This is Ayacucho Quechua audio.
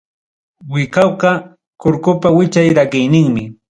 Wiqawqa kurkupa wichay rakiyninmi.